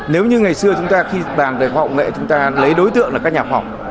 nếu như ngày xưa chúng ta khi bàn về khoa học nghệ chúng ta lấy đối tượng là các nhà khoa học